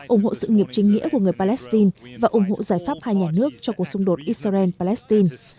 ủng hộ sự nghiệp chính nghĩa của người palestine và ủng hộ giải pháp hai nhà nước cho cuộc xung đột israel palestine